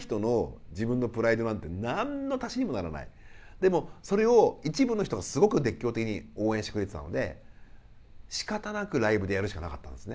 でもそれを一部の人がすごく熱狂的に応援してくれてたのでしかたなくライブでやるしかなかったんですね